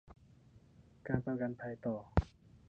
การประกันภัยต่อ